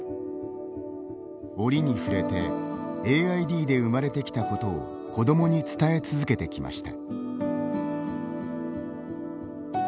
折に触れてＡＩＤで生まれてきたことを子供に伝え続けてきました。